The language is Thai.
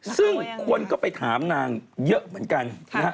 ซึ่งคนก็ไปถามนางเยอะเหมือนกันนะฮะ